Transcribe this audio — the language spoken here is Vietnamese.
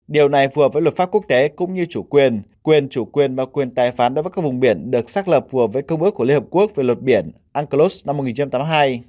điều này vừa với luật pháp quốc tế cũng như chủ quyền quyền chủ quyền và quyền tài phán đối với các vùng biển được xác lập vừa với công ước của liên hợp quốc về luật biển anclos năm một nghìn chín trăm tám mươi hai